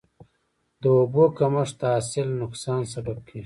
د اوبو کمښت د حاصل نقصان سبب کېږي.